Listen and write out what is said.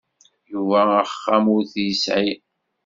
Yuba axxam ur t-yesεi.